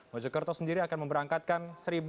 mojokerto sendiri akan memberangkatkan